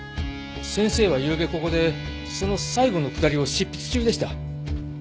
先生はゆうべここでその最後のくだりを執筆中でした。